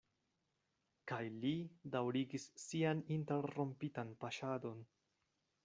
Kaj li daŭrigis sian interrompitan paŝadon.